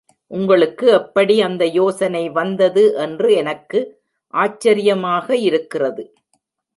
உங்களுக்கு எப்படி அந்த யோசனை வந்தது என்று எனக்கு ஆச்சரியமாக இருக்கிறது!